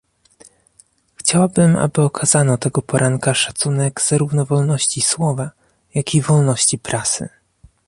Chciałbym aby okazano tego poranka szacunek zarówno wolności słowa, jak i wolności prasy!